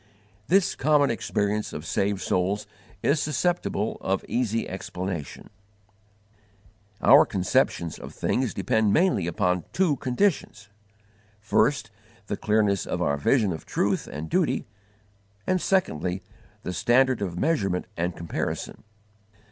This common experience of saved souls is susceptible of easy explanation. Our conceptions of things depend mainly upon two conditions: first, the clearness of our vision of truth and duty; and secondly, the standard of measurement and comparison.